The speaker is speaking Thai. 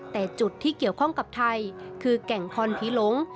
แต่จุดที่เกี่ยวข้องกับไทยคือแก่งคอนผีหลง